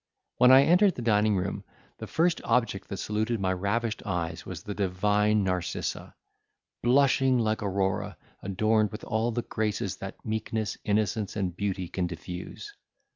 When I entered the dining room, the first object that saluted my ravished eyes was the divine Narcissa, blushing like Aurora, adorned with all the graces that meekness, innocence, and beauty can diffuse!